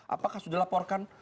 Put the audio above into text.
apakah sudah dilaporkan